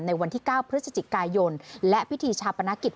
ในวันที่๙พฤศจิกายนและพิธีชาปนกิจ